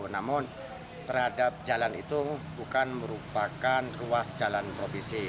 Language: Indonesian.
namun terhadap jalan itu bukan merupakan ruas jalan provinsi